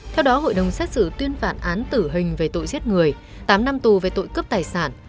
theo đó hội đồng xét xử tuyên phạt án tử hình về tội giết người tám năm tù về tội cướp tài sản